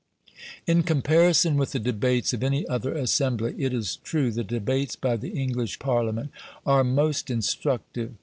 In comparison with the debates of any other assembly, it is true the debates by the English Parliament are most instructive.